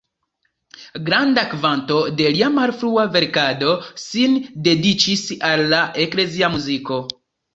Granda kvanto de lia malfrua verkado sin dediĉis al la eklezia muziko.